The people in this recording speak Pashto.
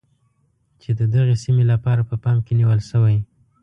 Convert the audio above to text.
چې د دغې سیمې لپاره په پام کې نیول شوی.